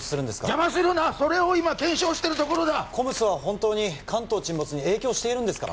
邪魔するなそれを今検証してるところだＣＯＭＳは本当に関東沈没に影響しているんですか？